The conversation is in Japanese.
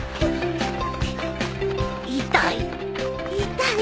痛い